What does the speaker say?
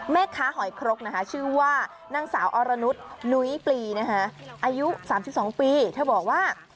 หอยครกนะคะชื่อว่านางสาวอรนุษย์นุ้ยปลีนะคะอายุ๓๒ปีเธอบอกว่า